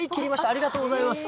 ありがとうございます。